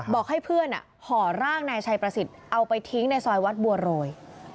บอกให้เพื่อนห่อร่างนายชัยประสิทธิ์เอาไปทิ้งในซอยวัดบัวโรย